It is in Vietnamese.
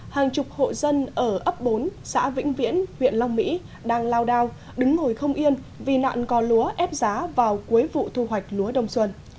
hàng chục hộ dân ở ấp bốn xã vĩnh viễn huyện long mỹ đang lao đao đứng ngồi không yên vì nạn có lúa ép giá vào cuối vụ thu hoạch lúa đông xuân